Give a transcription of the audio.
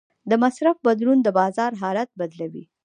د مصرف بدلون د بازار حالت بدلوي.